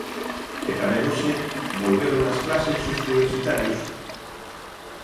E tamén hoxe volveron as clases os universitarios.